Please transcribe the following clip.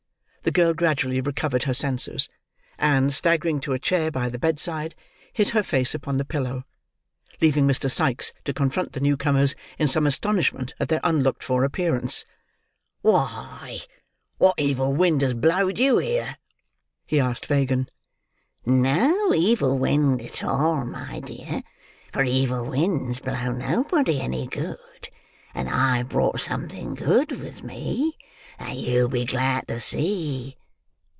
The girl gradually recovered her senses; and, staggering to a chair by the bedside, hid her face upon the pillow: leaving Mr. Sikes to confront the new comers, in some astonishment at their unlooked for appearance. "Why, what evil wind has blowed you here?" he asked Fagin. "No evil wind at all, my dear, for evil winds blow nobody any good; and I've brought something good with me, that you'll be glad to see.